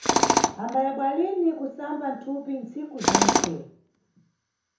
Ambayebwa lini kusamba thupi ntsiku zentse.